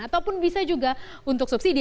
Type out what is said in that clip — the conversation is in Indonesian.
atau pun bisa juga untuk subsidi